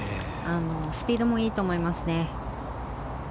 スピードもいいと思いますね。